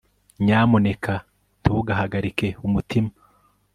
nyamuneka ntugahagarike umutima